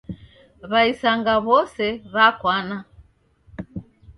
W'aisanga w'ose w'akwana.